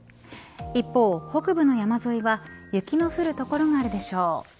一方、北部の山沿いは雪の降る所があるでしょう。